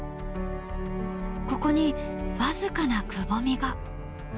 ここに僅かなくぼみが。